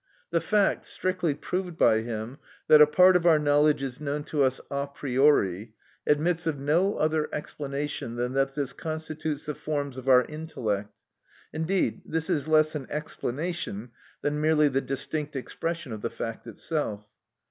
The fact, strictly proved by him, that a part of our knowledge is known to us a priori, admits of no other explanation than that this constitutes the forms of our intellect; indeed, this is less an explanation than merely the distinct expression of the fact itself.